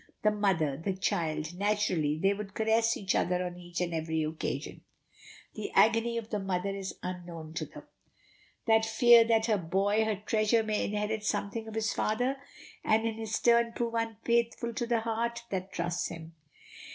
The mother, the child; naturally they would caress each other on each and every occasion. The agony of the mother is unknown to them; the fear that her boy, her treasure, may inherit something of his father, and in his turn prove unfaithful to the heart that trusts him.